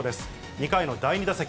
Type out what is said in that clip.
２回の第２打席。